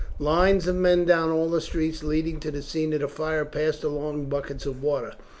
Lines of men down all the streets leading to the scene of the fire passed along buckets of water.